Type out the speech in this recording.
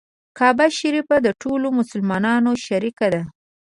کعبه شریفه د ټولو مسلمانانو شریکه ده.